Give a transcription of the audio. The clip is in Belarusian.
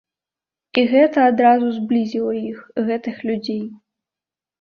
І гэта адразу зблізіла іх, гэтых людзей.